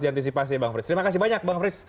diantisipasi bang frits terima kasih banyak bang frits